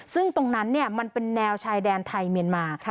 ซึ่งตรงนั้นมันเป็นแนวชายแดนไทยเมียนมา